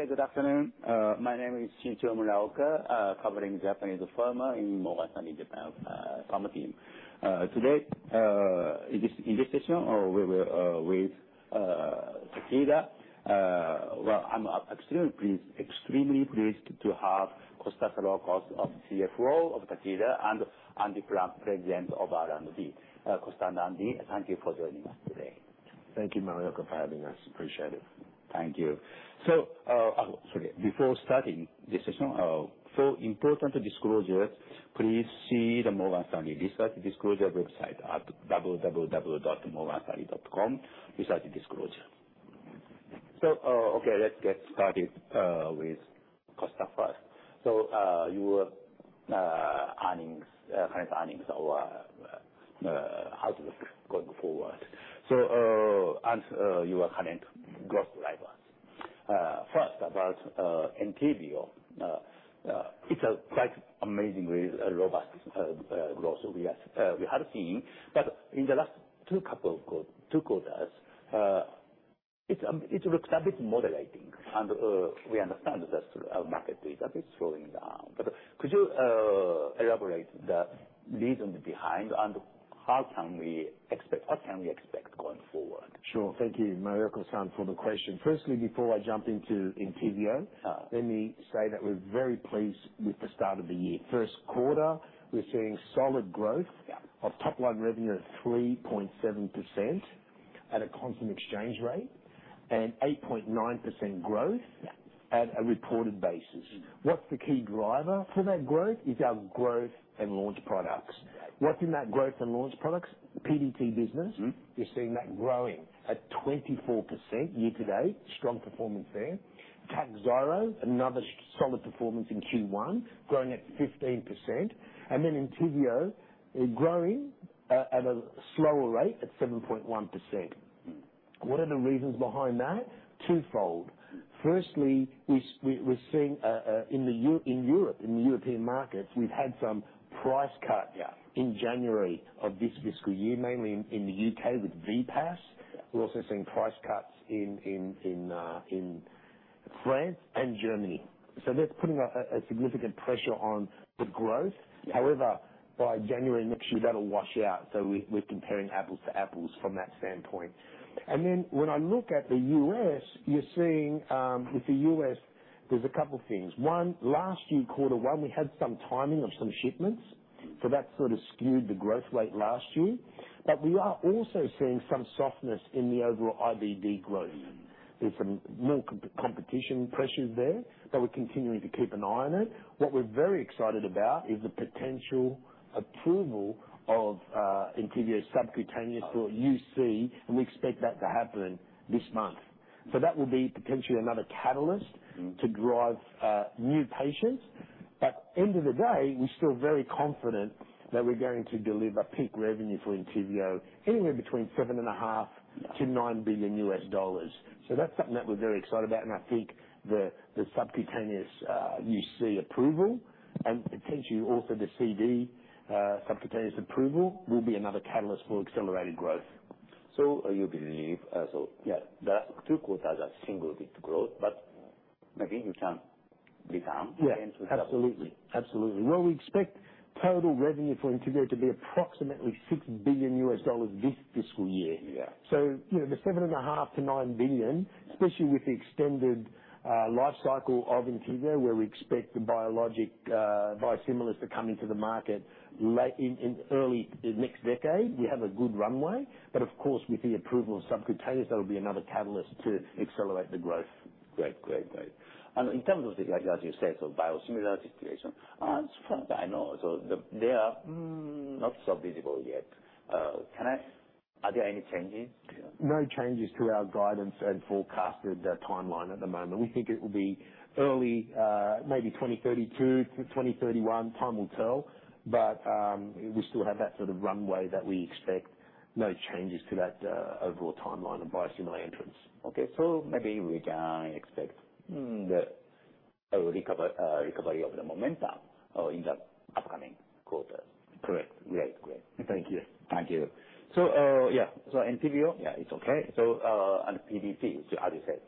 Okay, good afternoon. My name is Shinichiro Muraoka, covering Japanese pharma in Morgan Stanley, in Japan, pharma team. Today, in this session, we will with Takeda. I'm extremely pleased to have Costa Saroukos, CFO of Takeda and Andrew Plump, President of R&D. Costa and Andy, thank you for joining us today. Thank you, Muraoka, for having us. Appreciate it. Thank you. Sorry, before starting this session, four important disclosures. Please see the Morgan Stanley Research Disclosure website at www.morganstanley.com/research-disclosure. Okay, let's get started with Costa first. Your current earnings or outlook going forward. And your current growth drivers. First, about Entyvio. It's a quite amazing robust growth we have seen. But in the last two quarters, it looks a bit more delaying. And we understand that market is a bit slowing down. But could you elaborate the reason behind and how can we expect what can we expect going forward? Sure. Thank you, Muraokasan, for the question. Firstly, before I jump into Entyvio, let me say that we're very pleased with the start of the year. First quarter, we're seeing solid growth of top-line revenue of 3.7% at a constant exchange rate and 8.9% growth at a reported basis. What's the key driver for that growth? It's our growth and launch products. What's in that growth and launch products? PDT business. You're seeing that growing at 24% year to date. Strong performance there. Takhzyro, another solid performance in Q1, growing at 15%. And then Entyvio, growing at a slower rate at 7.1%. What are the reasons behind that? Twofold. Firstly, we're seeing in Europe, in the European markets, we've had some price cuts in January of this fiscal year, mainly in the UK with VPAS. We're also seeing price cuts in France and Germany. That's putting a significant pressure on the growth. However, by January next year, that'll wash out. We're comparing apples to apples from that standpoint. Then when I look at the U.S., you're seeing with the U.S., there's a couple of things. One, last year quarter one, we had some timing of some shipments. That sort of skewed the growth rate last year. But we are also seeing some softness in the overall IBD growth. There's some more competition pressures there, but we're continuing to keep an eye on it. What we're very excited about is the potential approval of Entyvio subcutaneous for UC, and we expect that to happen this month. That will be potentially another catalyst to drive new patients. At the end of the day, we're still very confident that we're going to deliver peak revenue for Entyvio anywhere between $7.5 billion-$9 billion. So that's something that we're very excited about. And I think the subcutaneous UC approval and potentially also the CD subcutaneous approval will be another catalyst for accelerated growth. You believe so, yeah, that two quarters are single-digit growth, but maybe you can return into. Yeah, absolutely. Absolutely. Well, we expect total revenue for Entyvio to be approximately $6 billion this fiscal year. So the $7.5-$9 billion, especially with the extended life cycle of Entyvio, where we expect the biologic biosimilars to come into the market in early next decade, we have a good runway. But of course, with the approval of subcutaneous, that will be another catalyst to accelerate the growth. Great. And in terms of, as you said, so biosimilar situation, as far as I know, so they are not so visible yet. Are there any changes? No changes to our guidance and forecasted timeline at the moment. We think it will be early, maybe 2032 to 2031. Time will tell. But we still have that sort of runway that we expect. No changes to that overall timeline of biosimilar entrance. Okay, so maybe we can expect the recovery of the momentum in the upcoming quarter. Correct. Great. Great. Thank you. Thank you. So yeah, so Entyvio, yeah, it's okay. And PDT, as you said,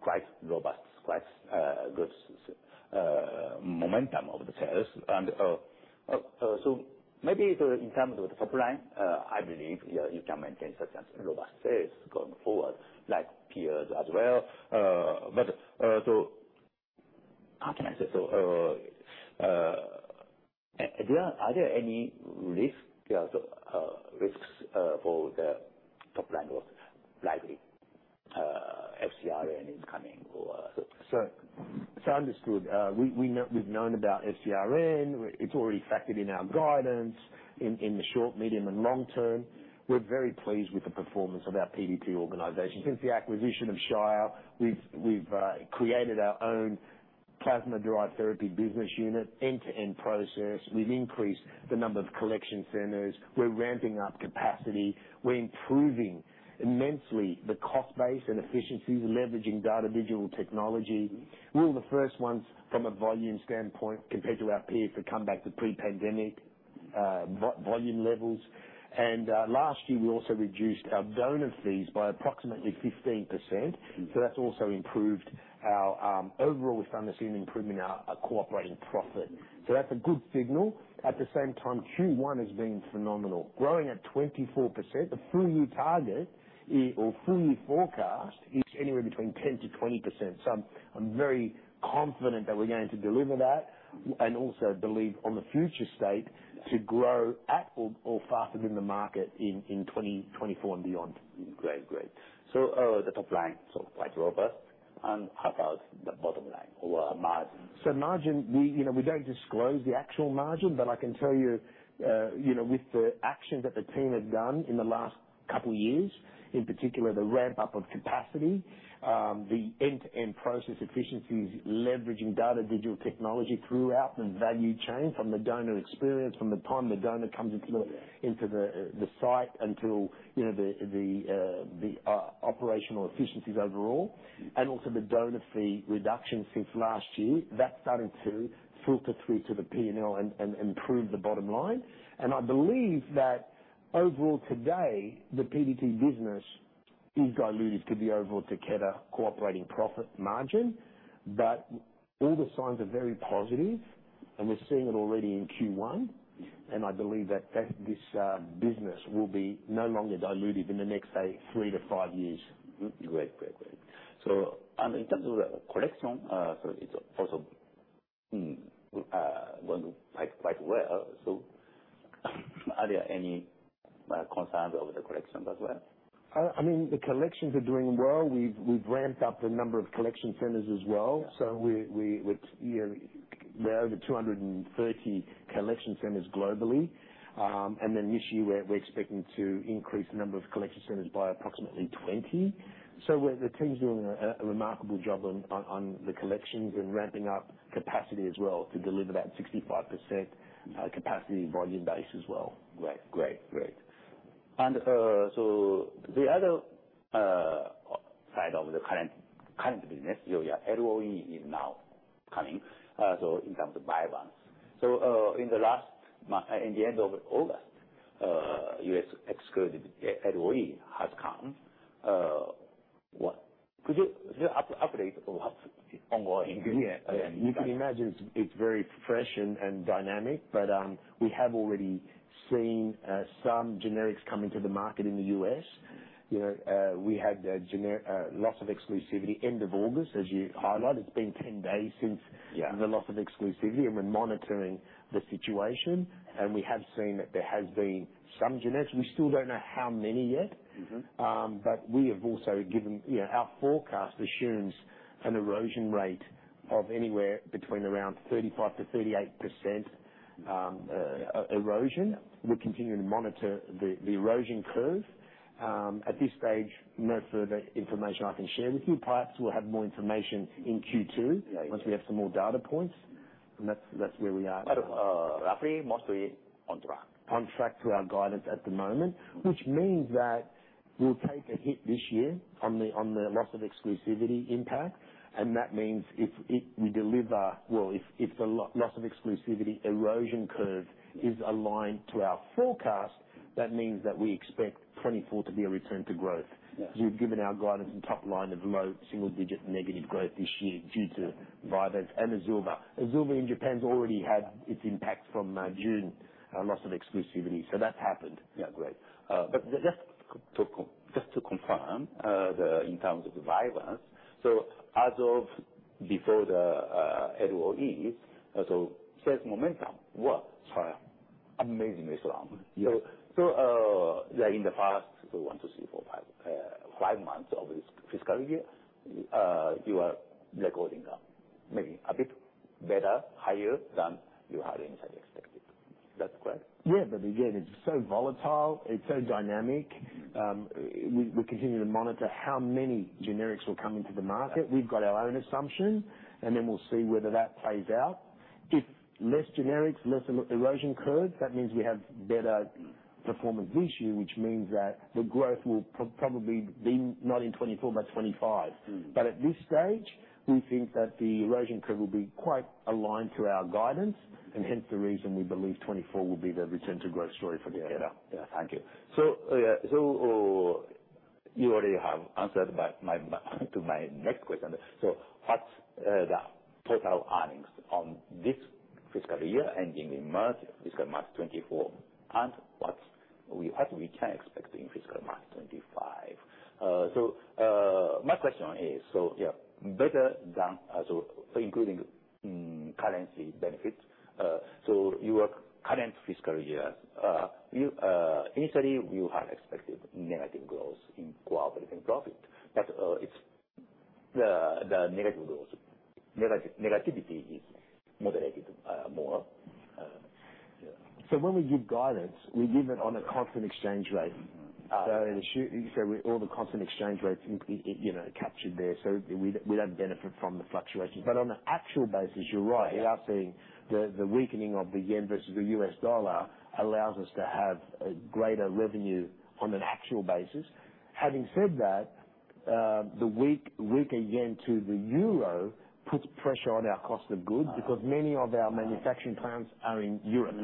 quite robust, quite good momentum of the sales. And so maybe in terms of the top line, I believe you can maintain such robust sales going forward, like peers as well. But so how can I say? So are there any risks for the top line of likely FcRn is cming or? So understood. We've known about FcRn. It's already factored in our guidance in the short, medium, and long term. We're very pleased with the performance of our PDT organization. Since the acquisition of Shire, we've created our own plasma-derived therapy business unit, end-to-end process. We've increased the number of collection centers. We're ramping up capacity. We're improving immensely the cost base and efficiencies, leveraging data and digital technology. We're one of the first ones from a volume standpoint compared to our peers to come back to pre-pandemic volume levels. And last year, we also reduced our donor fees by approximately 15%. So that's also improved our overall. We've done a significant improvement in our operating profit. So that's a good signal. At the same time, Q1 has been phenomenal. Growing at 24%. The full year target or full year forecast is anywhere between 10% to 20%. So I'm very confident that we're going to deliver that and also believe on the future state to grow at or faster than the market in 2024 and beyond. Great. Great. So the top line, so quite robust. How about the bottom line or margin? So, margin, we don't disclose the actual margin, but I can tell you with the actions that the team has done in the last couple of years, in particular the ramp-up of capacity, the end-to-end process efficiencies, leveraging data and digital technology throughout the value chain from the donor experience, from the time the donor comes into the site until the operational efficiencies overall, and also the donor fee reduction since last year, that's starting to filter through to the P&L and improve the bottom line. I believe that overall today, the PDT business is diluted to the overall Takeda corporate profit margin. All the signs are very positive, and we're seeing it already in Q1. I believe that this business will be no longer diluted in the next, say, three to five years. Great. Great. Great. So in terms of the collection, so it's also going quite well. So are there any concerns over the collections as well? I mean, the collections are doing well. We've ramped up the number of collection centers as well. So we're over 230 collection centers globally. And then this year, we're expecting to increase the number of collection centers by approximately 20. So the team's doing a remarkable job on the collections and ramping up capacity as well to deliver that 65% capacity volume base as well. Great. And so the other side of the current business, LOE is now coming. So in terms of Vyvanse. So in the end of August, U.S. LOE has come. Could you update what's ongoing? You can imagine it's very fresh and dynamic, but we have already seen some generics come into the market in the U.S. We had loss of exclusivity end of August, as you highlight. It's been 10 days since the loss of exclusivity, and we're monitoring the situation, and we have seen that there has been some generics. We still don't know how many yet. But we have also given our forecast assumes an erosion rate of anywhere between around 35%-38% erosion. We're continuing to monitor the erosion curve. At this stage, no further information I can share with you. Perhaps we'll have more information in Q2 once we have some more data points, and that's where we are. But roughly mostly on track. On track to our guidance at the moment, which means that we'll take a hit this year on the loss of exclusivity impact. And that means if we deliver, well, if the loss of exclusivity erosion curve is aligned to our forecast, that means that we expect 2024 to be a return to growth. We've given our guidance and top line of low single digit negative growth this year due to Vyvanse and Azilva. Azilva in Japan’s already had its impact from June, loss of exclusivity. So that's happened. Yeah. Great. But just to confirm in terms of Vyvanse so as of before the LOE, so sales momentum was amazingly strong. So in the past, so one, two, three, four, five months of this fiscal year, you are recording maybe a bit better, higher than you had initially expected. That's correct? Yeah. But again, it's so volatile. It's so dynamic. We continue to monitor how many generics will come into the market. We've got our own assumptions, and then we'll see whether that plays out. If less generics, less erosion curve, that means we have better performance this year, which means that the growth will probably be not in 2024 but 2025. But at this stage, we think that the erosion curve will be quite aligned to our guidance, and hence the reason we believe 2024 will be the return to growth story for Takeda. Yeah. Yeah. Thank you. So you already have answered to my next question. So what's the total earnings on this fiscal year ending in March, fiscal March 2024, and what we can expect in fiscal March 2025? So my question is, so yeah, better than so including currency benefits. So your current fiscal year, initially, we had expected negative growth in core operating profit. But the negative growth, negativity is moderated more. So when we give guidance, we give it on a constant exchange rate. So you said all the constant exchange rates captured there. So we don't benefit from the fluctuations. But on an actual basis, you're right. We are seeing the weakening of the yen versus the U.S. dollar allows us to have greater revenue on an actual basis. Having said that, the weaker yen to the euro puts pressure on our cost of goods because many of our manufacturing plants are in Europe.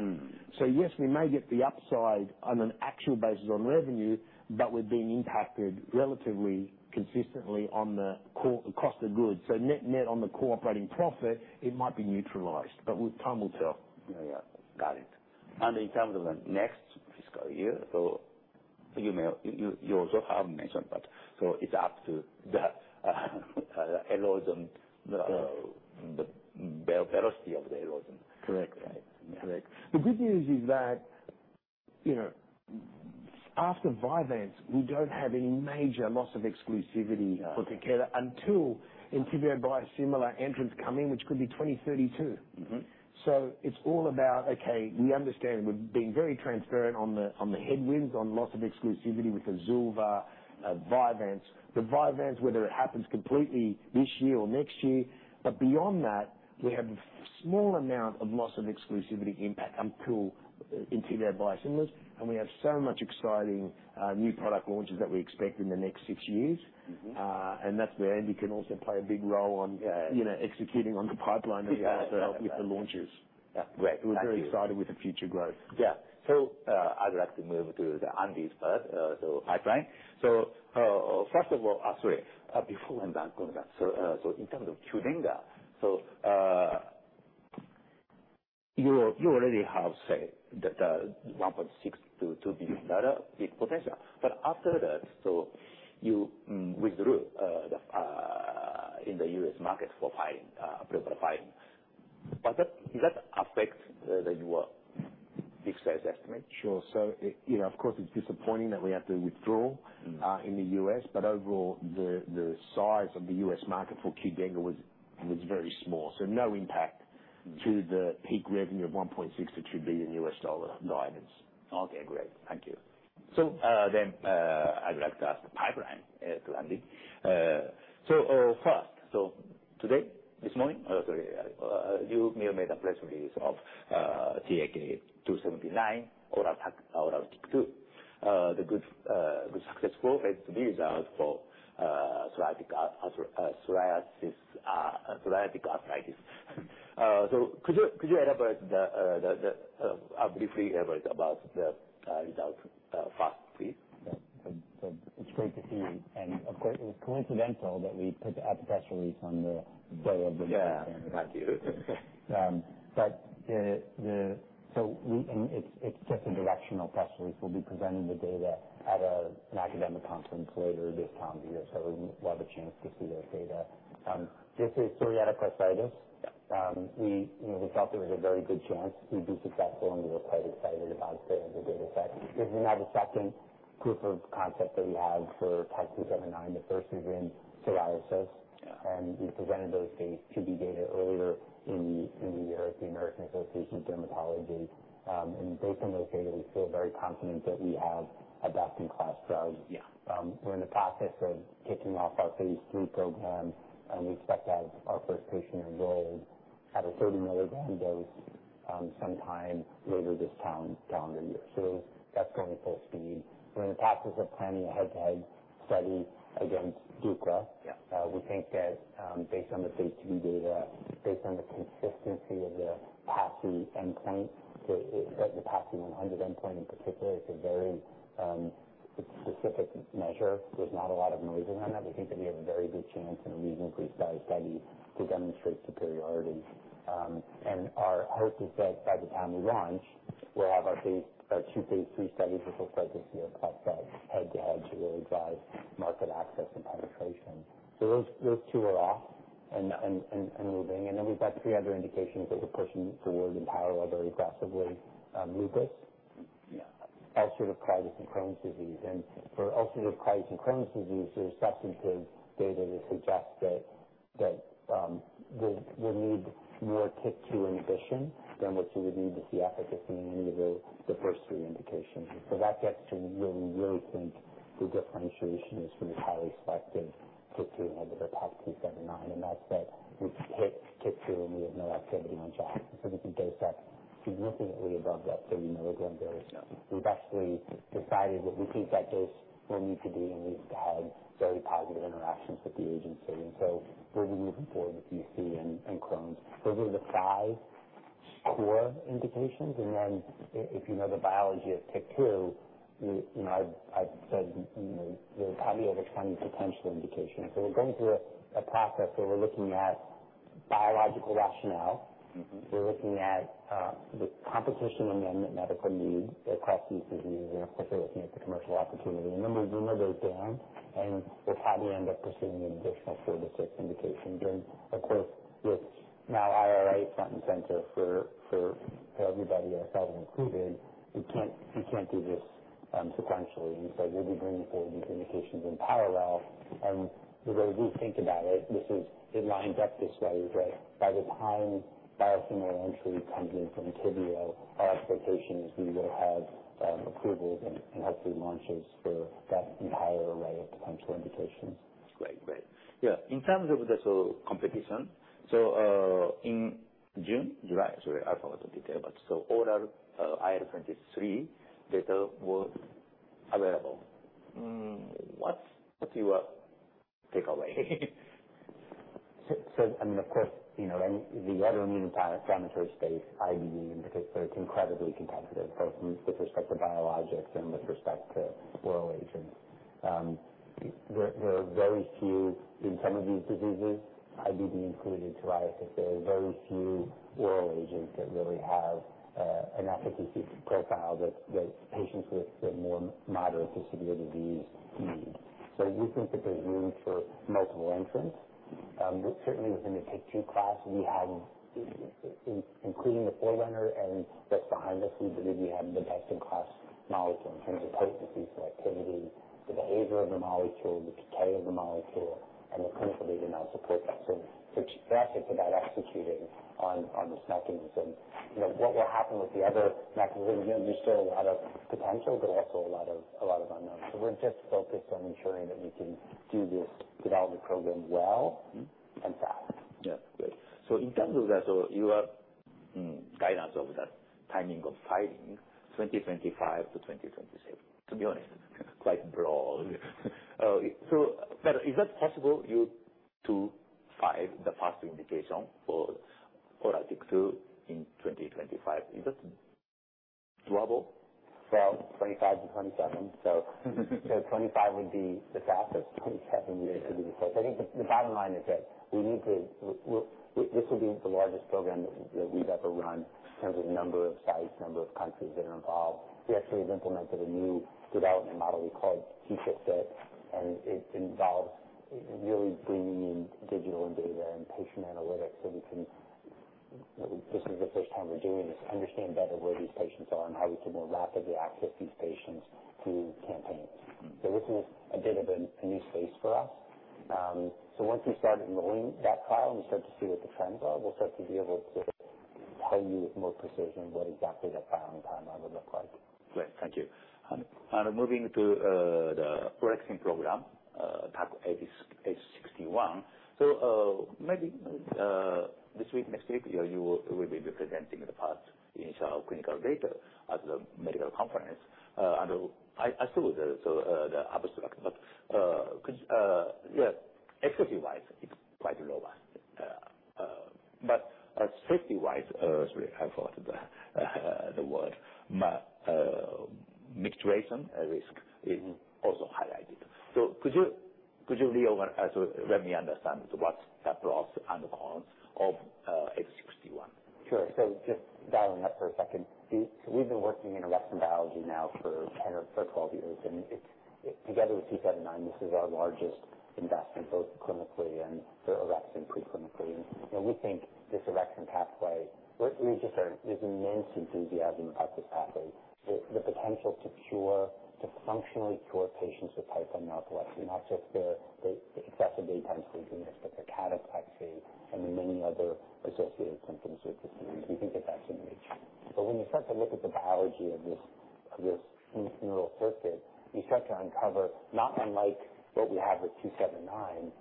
So yes, we may get the upside on an actual basis on revenue, but we're being impacted relatively consistently on the cost of goods. So net on the operating profit, it might be neutralized. But time will tell. Yeah. Yeah. Got it. And in terms of the next fiscal year, it's up to the velocity of the erosion. Correct. Correct. The good news is that after Vyvanse, we don't have any major loss of exclusivity for Takeda until Entyvio biosimilar entry comes in, which could be 2032. So it's all about, okay, we understand we've been very transparent on the headwinds on loss of exclusivity with Azilva, Vyvanse. The Vyvanse whether it happens completely this year or next year. But beyond that, we have a small amount of loss of exclusivity impact until Entyvio biosimilars. We have so much exciting new product launches that we expect in the next six years. That's where Andy can also play a big role on executing on the pipeline as well to help with the launches. Yeah. Great. We're very excited with the future growth. Yeah, I would like to move to Andy's part, so pipeline. First of all, sorry, before I'm done, in terms of Q2, you already have, say, the $1.6-$2 billion big potential. But after that, you withdrew in the U.S. market for filing, approval filing. But does that affect your big sales estimate? Sure. So of course, it's disappointing that we have to withdraw in the U.S. But overall, the size of the U.S. market for Q2 was very small. So no impact to the peak revenue of $1.6 billion-$2 billion guidance. Okay. Great. Thank you. Then I would like to ask about the pipeline to Andy. First, today, this morning, sorry, you may have made a press release of TAK-279, oral TYK2, the good safety profile to be observed for psoriatic arthritis. Could you elaborate briefly about the result first, please? It's great to see you. And of course, it was coincidental that we put out the press release on the day of the. Yeah. Thank you. But so it's just a directional press release. We'll be presenting the data at an academic conference later this time of year. So we'll have a chance to see those data. This is psoriatic arthritis. We felt there was a very good chance we'd be successful, and we were quite excited about the data set. This is now the second proof of concept that we have for TAK-279. The first is in psoriasis. And we presented those phase 2b data earlier in the year at the American Academy of Dermatology. And based on those data, we feel very confident that we have a best-in-class drug. We're in the process of kicking off our phase 3 program. We expect to have our first patient enrolled at a 30-mg dose sometime later this calendar year. So that's going full speed. We're in the process of planning a head-to-head study against Sotyktu. We think that based on the phase 2b data, based on the consistency of the PASI endpoint, the PASI 100 endpoint in particular, it's a very specific measure. There's not a lot of noise around that. We think that we have a very good chance and a reasonably stellar study to demonstrate superiority. And our hope is that by the time we launch, we'll have our two phase 3 studies, which will start this year, plus the head-to-head to really drive market access and penetration. So those two are off and moving. And then we've got three other indications that we're pushing forward in parallel very aggressively: lupus, ulcerative colitis, and Crohn's disease. And for ulcerative colitis and Crohn's disease, there's substantive data that suggests that we'll need more TYK2 inhibition than what you would need to see efficacy in any of the first three indications. That gets to where we really think the differentiation is for this highly selective TYK2 inhibitor, TAK-279. That's that we've hit TYK2 and we have no activity on JAK. We can dose that significantly above that 30-milligram dose. We've actually decided that we think that dose will need to be and we've had very positive interactions with the agency. We'll be moving forward with UC and Crohn's. Those are the five core indications. If you know the biology of TYK2, I've said there are plenty of expanded potential indications. We're going through a process where we're looking at biological rationale. We're looking at the competition and unmet medical need across these diseases. Of course, we're looking at the commercial opportunity. Then we'll winnow those down. We'll probably end up pursuing an additional four to six indications. Of course, with now IRA front and center for everybody, ourselves included, we can't do this sequentially. So we'll be bringing forward these indications in parallel. The way we think about it, it lines up this way that by the time biosimilar entry comes in from Teva, our expectation is we will have approvals and hopefully launches for that entire array of potential indications. Great. Great. Yeah. In terms of the competition, so in June, July, sorry, I forgot to detail that. So all our IL-23 data was available. What's your takeaway? So I mean, of course, the other new parameter is the space, IBD, in particular. It's incredibly competitive both with respect to biologics and with respect to oral agents. There are very few in some of these diseases, IBD included, psoriasis, there are very few oral agents that really have an efficacy profile that patients with more moderate to severe disease need. So we think that there's room for multiple entrants. Certainly, within the TYK2 class, we have, including the front-runner and what's behind us, we believe we have the best-in-class molecule in terms of potency, selectivity, the behavior of the molecule, the decay of the molecule, and the clinical data now support that. So we're actually focused executing on this mechanism. What will happen with the other mechanism? There's still a lot of potential, but also a lot of unknowns. We're just focused on ensuring that we can do this development program well and fast. Yeah. Great. So in terms of that, so you have guidance over the timing of filing 2025 to 2026. To be honest, quite broad. But is that possible? To file the first indication for oral TYK2 in 2025. Is that doable? 2025-2027. So 2025 would be the fastest. 2027 would be the slowest. I think the bottom line is that we need to. This will be the largest program that we've ever run in terms of number of sites, number of countries that are involved. We actually have implemented a new development model we call G-CHIPS. And it involves really bringing in digital data and patient analytics so we can. This is the first time we're doing this, understand better where these patients are and how we can more rapidly access these patients through campaigns. So this is a bit of a new space for us. So once we start enrolling that trial and we start to see what the trends are, we'll start to be able to tell you with more precision what exactly that filing timeline would look like. Great. Thank you. And moving to the orexin program, TAK-861. So maybe this week, next week, you will be presenting the first initial clinical data at the medical conference. And I assume the abstract. But yeah, efficacy-wise, it's quite robust. But safety-wise, sorry, I forgot the word. Micturition risk is also highlighted. So could you read over so let me understand what's the pros and cons of TAK-861? Sure. So, just dialing up for a second. So we've been working in orexin biology now for 10 or 12 years. And together with TAK-279, this is our largest investment both clinically and for orexin preclinically. And we think this orexin pathway. There's immense enthusiasm about this pathway. The potential to functionally cure patients with type 1 narcolepsy, not just the excessive daytime sleepiness, but the cataplexy and the many other associated symptoms with this disease, we think that that's in reach. But when you start to look at the biology of this neural circuit, you start to uncover, not unlike what we have with TAK-279,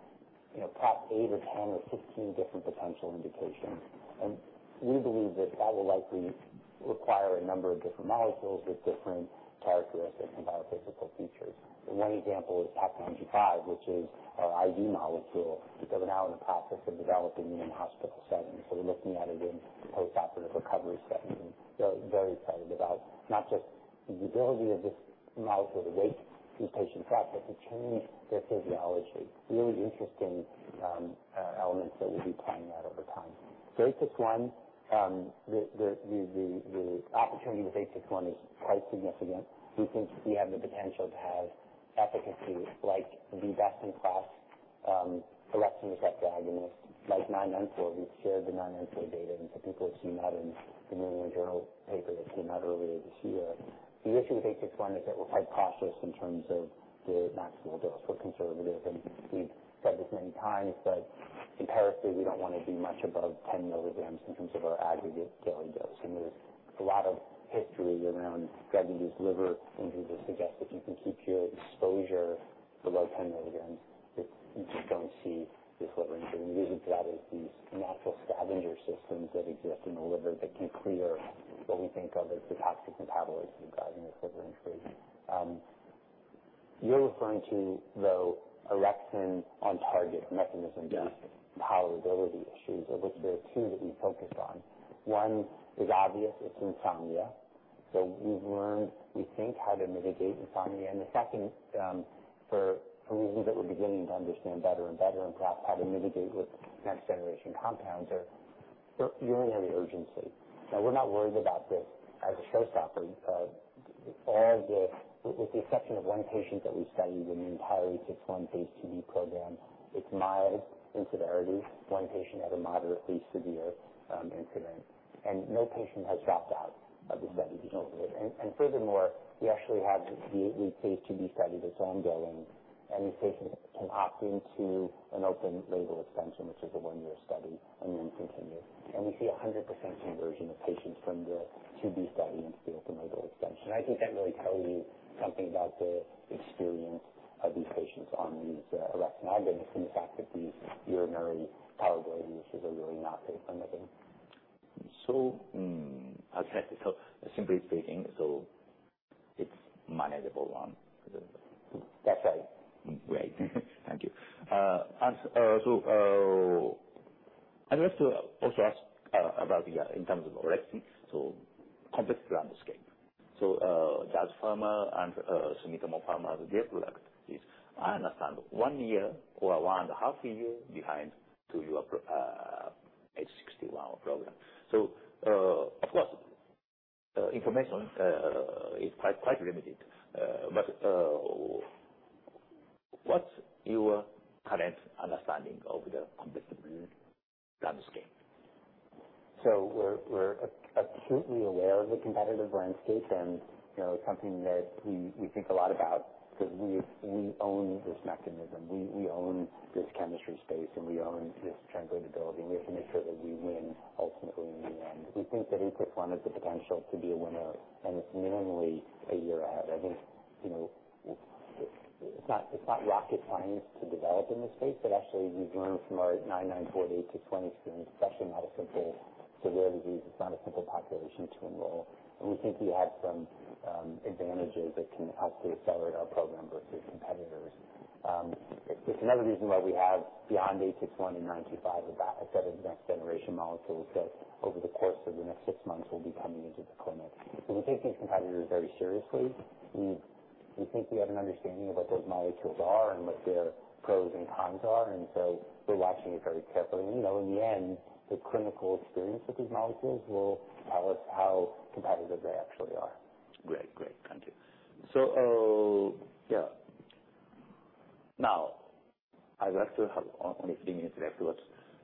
perhaps eight or 10 or 16 different potential indications. And we believe that that will likely require a number of different molecules with different characteristics and biophysical features. One example is TAK-925, which is our IV molecule that we're now in the process of developing in hospital settings. We're looking at it in the postoperative recovery setting. We're very excited about not just the ability of this molecule to wake these patients up, but to change their physiology. Really interesting elements that we'll be playing out over time. TAK-861, the opportunity with TAK-861 is quite significant. We think we have the potential to have efficacy like the best-in-class orexin receptor 2 agonist, like TAK-994. We've shared the TAK-994 data. People have seen that in the New England Journal paper that came out earlier this year. The issue with TAK-861 is that we're quite cautious in terms of the maximal dose. We're conservative. We've said this many times, but empirically, we don't want to do much above 10 milligrams in terms of our aggregate daily dose. There's a lot of history around drug-induced liver injury that suggests that you can and these patients can opt into an open label extension, which is a one-year study, and then continue. We see 100% conversion of patients from the 2b study into the open label extension. I think that really tells you something about the experience of these patients on these orexin agonists and the fact that these urinary tolerability issues are really not dose-limiting. Simply speaking, it's manageable one. That's right. Great. Thank you. And so I'd like to also ask about, yeah, in terms of orexin, so complex landscape. So Jazz Pharma and Sumitomo Pharma as their lead product is, I understand, one year or one and a half year behind your TAK-861 program. So of course, information is quite limited. But what's your current understanding of the complex landscape? We're absolutely aware of the competitive landscape and something that we think a lot about because we own this mechanism. We own this chemistry space, and we own this translatability. We have to make sure that we win ultimately in the end. We think that TAK-861 has the potential to be a winner, and it's minimally a year ahead. I think it's not rocket science to develop in this space, but actually, we've learned from our TAK-994 to TAK-861 experience, especially not a simple severe disease. It's not a simple population to enroll. We think we have some advantages that can help to accelerate our program versus competitors. It's another reason why we have beyond TAK-861 and TAK-925 a set of next-generation molecules that over the course of the next six months will be coming into the clinic. We take these competitors very seriously. We think we have an understanding of what those molecules are and what their pros and cons are. And so we're watching it very carefully. And in the end, the clinical experience with these molecules will tell us how competitive they actually are. Great. Great. Thank you. So yeah. Now, I'd like to have only three minutes left. But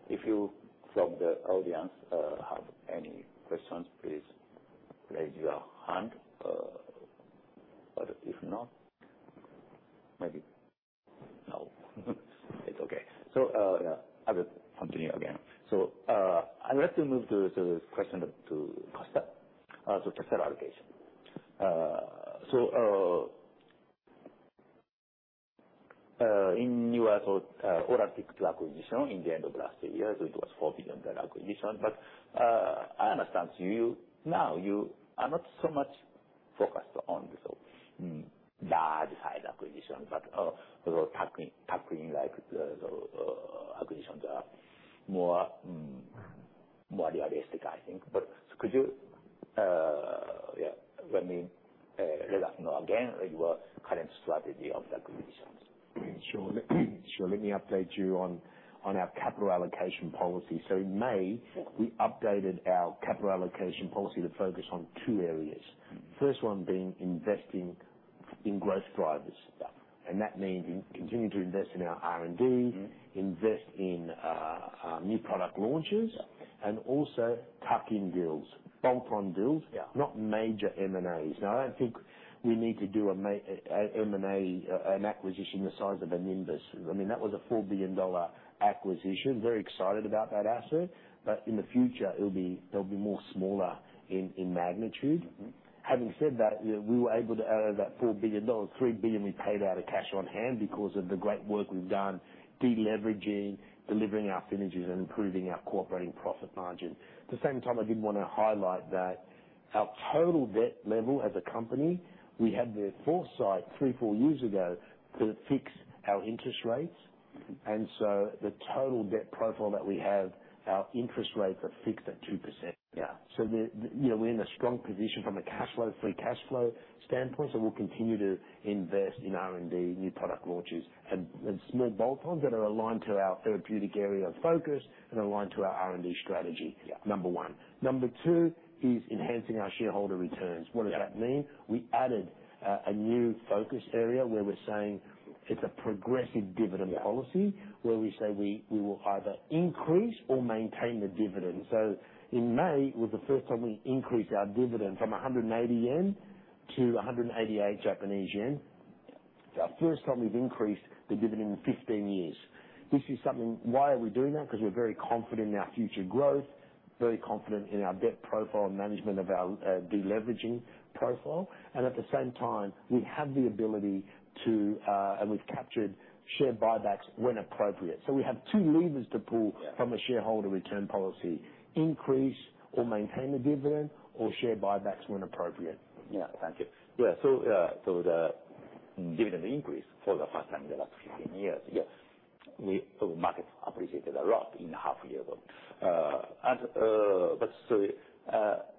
if you from the audience have any questions, please raise your hand. But if not, maybe no. It's okay. So I will continue again. So I'd like to move to this question to Costa. So Costa allocation. So in your oral TYK2 acquisition in the end of last year, so it was $4 billion that acquisition. But I understand now you are not so much focused on the large-sized acquisition, but the tuck-in-like acquisitions are more realistic, I think. But could you, yeah, let us know again your current strategy of the acquisitions? Sure. Let me update you on our capital allocation policy. So in May, we updated our capital allocation policy to focus on two areas. First one being investing in growth drivers, and that means continue to invest in our R&D, invest in new product launches, and also tuck-in deals, bump-on deals, not major M&As. Now, I don't think we need to do an M&A acquisition the size of a Nimbus. I mean, that was a $4 billion acquisition. Very excited about that asset, but in the future, they'll be more smaller in magnitude. Having said that, we were able to afford that $4 billion. $3 billion we paid out of cash on hand because of the great work we've done deleveraging, delivering our synergies, and improving our operating profit margin. At the same time, I did want to highlight that our total debt level as a company, we had the foresight three or four years ago to fix our interest rates. And so the total debt profile that we have, our interest rates are fixed at 2%. Yeah. So we're in a strong position from a cash flow, free cash flow standpoint. So we'll continue to invest in R&D, new product launches, and small bolt-ons that are aligned to our therapeutic area of focus and aligned to our R&D strategy, number one. Number two is enhancing our shareholder returns. What does that mean? We added a new focus area where we're saying it's a progressive dividend policy where we say we will either increase or maintain the dividend. So in May, it was the first time we increased our dividend from 180 yen to 188 Japanese yen. It's our first time we've increased the dividend in 15 years. This is something. Why are we doing that? Because we're very confident in our future growth, very confident in our debt profile and management of our deleveraging profile, and at the same time, we have the ability to and we've captured share buybacks when appropriate, so we have two levers to pull from a shareholder return policy: increase or maintain the dividend or share buybacks when appropriate. Yeah. Thank you. Yeah. So the dividend increase for the first time in the last 15 years, yeah, the market appreciated a lot in a half a year ago. But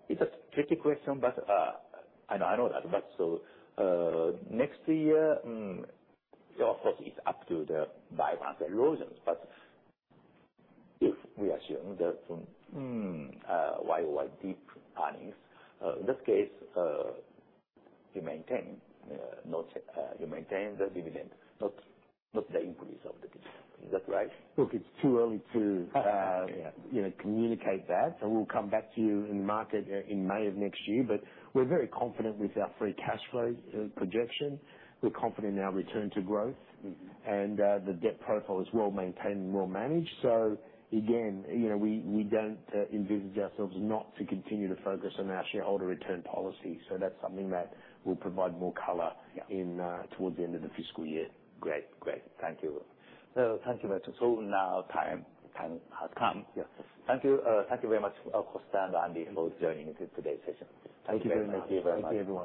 it's a tricky question, but I know that. But next year, of course, it's up to the buybacks and losses. But if we assume that YoY earnings, in this case, you maintain the dividend, not the increase of the dividend. Is that right? Look, it's too early to communicate that. And we'll come back to you in the market in May of next year. But we're very confident with our free cash flow projection. We're confident in our return to growth. And the debt profile is well maintained and well managed. So again, we don't envisage ourselves not to continue to focus on our shareholder return policy. So that's something that will provide more color towards the end of the fiscal year. Great. Great. Thank you. Thank you very much. So now time has come. Thank you very much, Costa and Andy, for joining today's session. Thank you very much. Thank you very much.